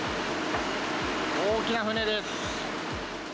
大きな船です。